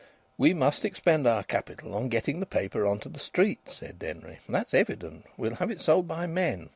"We must expend our capital on getting the paper on to the streets," said Denry. "That's evident. We'll have it sold by men.